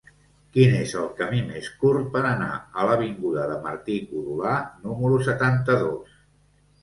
Quin és el camí més curt per anar a l'avinguda de Martí-Codolar número setanta-dos?